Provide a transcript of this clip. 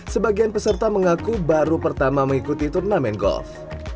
sebagian peserta mengaku baru pertama mengikuti turnamen golf